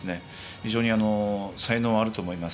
非常に才能あると思います。